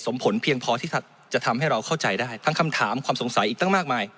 ผลเพียงพอที่จะทำให้เราเข้าใจได้ทั้งคำถามความสงสัยอีกตั้งมากมาย